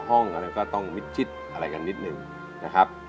ห้องอะไรก็ต้องมิดชิดอะไรกันนิดหนึ่งนะครับ